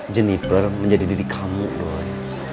jeniper menjadi diri kamu doi